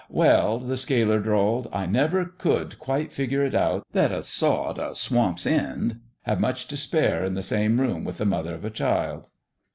"Well," the sealer drawled, "I never could quite figure it out that a sot o' Swamp's End had much t' spare in the same room with the mother of a child."